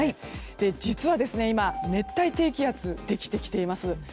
実は今、熱帯低気圧ができてきています。